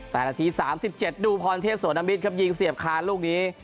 แต่นาที๓๗ดูพรเทพสวนมิตรครับยิงเสียบคาลูกนี้